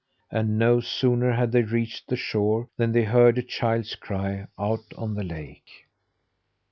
And no sooner had they reached the shore than they heard a child's cry out on the lake.